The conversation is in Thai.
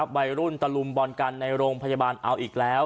วัยรุ่นตะลุมบอลกันในโรงพยาบาลเอาอีกแล้ว